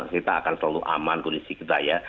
kita akan selalu aman kondisi kita ya